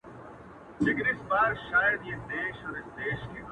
ځکه ده لا عادي قهوه نه وي لیدلې